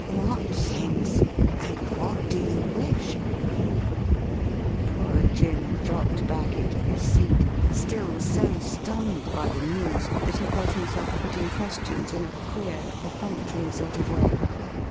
' What things, and what do you wish .?' Poor Jim dropped back into his seat, still so stunned by the news that he felt himself putting questions in a queer, perfunctory sort of way.